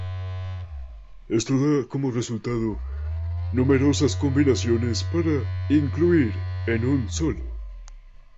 Esto da como resultado numerosas combinaciones para incluir en un solo.